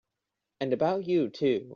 And about you too!